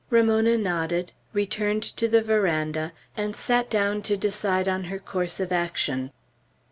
Ramona nodded, returned to the veranda, and sat down to decide on her course of action.